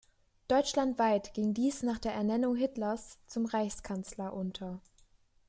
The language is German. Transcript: Deutschlandweit ging dies nach der Ernennung Hitlers zum Reichskanzler unter.